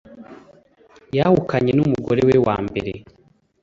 yahukanye n'umugore we wa mbere